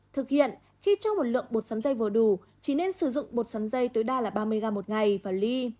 thực hiện khi cho một lượng bột sắn dây vừa đủ chỉ nên sử dụng bột sắn dây tối đa là ba mươi gram một ngày và ly